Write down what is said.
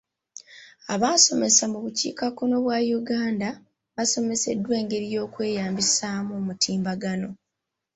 Abasomesa mu bukiikakkono bwa Uganda basomeseddwa engeri y'okweyambisaamu omutimbagano.